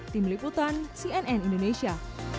tim liputan cnn indonesia